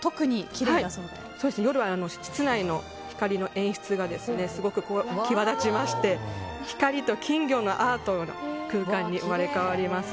夜は室内の光の演出がすごく際立ちまして光と金魚のアート空間に生まれ変わります。